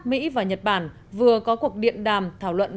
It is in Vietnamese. mỹ và nhật bản vừa có cuộc điện đàm thảo luận